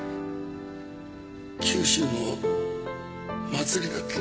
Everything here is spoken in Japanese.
九州の祭りだった。